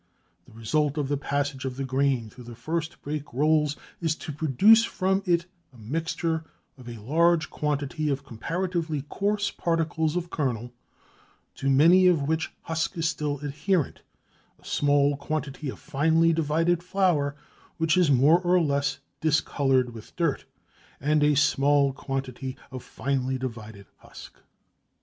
The result of the passage of the grain through the first break rolls is to produce from it a mixture of a large quantity of comparatively coarse particles of kernel to many of which husk is still adherent, a small quantity of finely divided flour which is more or less discoloured with dirt, and a small quantity of finely divided husk.